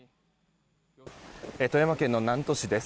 富山県の南砺市です。